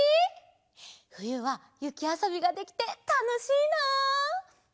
ふゆはゆきあそびができてたのしいな！